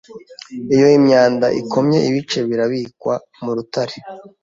Iyo imyanda ikomye ibice birabikwa murutare